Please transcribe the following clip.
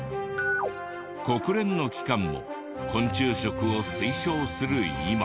国連の機関も昆虫食を推奨する今。